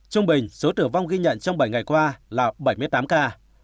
trung bình số tử vong ghi nhận trong bảy ngày qua là bảy mươi tám ca